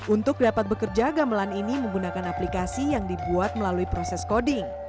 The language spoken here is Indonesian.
untuk dapat bekerja gamelan ini menggunakan aplikasi yang dibuat melalui proses coding